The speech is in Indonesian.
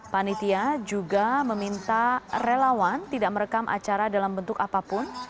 panitia juga meminta relawan tidak merekam acara dalam bentuk apapun